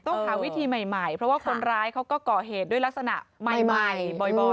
หาวิธีใหม่เพราะว่าคนร้ายเขาก็ก่อเหตุด้วยลักษณะใหม่บ่อย